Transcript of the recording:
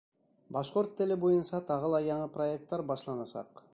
Башҡорт теле буйынса тағы ла яңы проекттар башланасаҡ.